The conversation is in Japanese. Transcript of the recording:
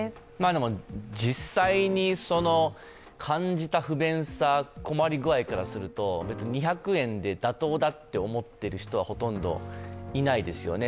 でも実際に感じた不便さ、困り具合からすると２００円で妥当だと思っている人はほとんどいないですよね。